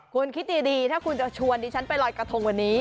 คุณคิดดีถ้าคุณจะชวนดิฉันไปลอยกระทงวันนี้